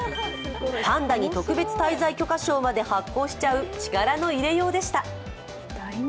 パンダに特別滞在許可証まで発行しちゃう力の入れようでした。